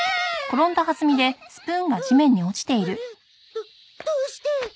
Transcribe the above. どどうして！？